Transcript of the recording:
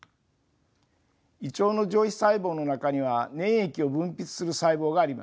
胃腸の上皮細胞の中には粘液を分泌する細胞があります。